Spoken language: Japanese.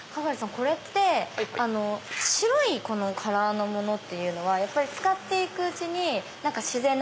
これって白いカラーのものっていうのはやっぱり使って行くうちに自然な。